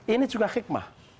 ini juga hikmah